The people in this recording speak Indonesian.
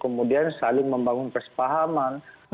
kemudian saling membangun kesepahaman